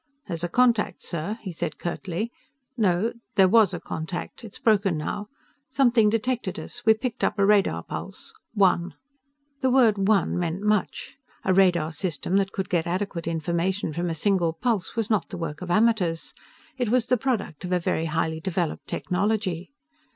"There's a contact, sir," he said curtly. "No. There was a contact. It's broken now. Something detected us. We picked up a radar pulse. One." The word "one" meant much. A radar system that could get adequate information from a single pulse was not the work of amateurs. It was the product of a very highly developed technology.